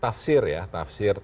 tafsir terhadap kampanye ini